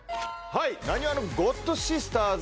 はい「浪速のゴッドシスターズ」